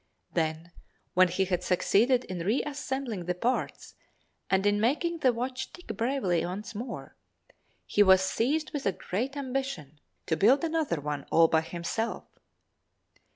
Then, when he had succeeded in reassembling the parts and in making the watch tick bravely once more, he was seized with a great ambition to build another one all by himself.